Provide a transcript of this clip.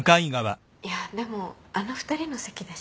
いやでもあの２人の席だし。